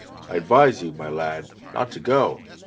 "I advise you, my lad, not to go."